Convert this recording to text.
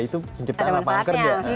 itu penciptaan lapangan kerja